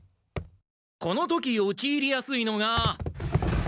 この時おちいりやすいのが。